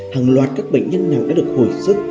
hàng loạt các bệnh nhân nào đã được hồi sức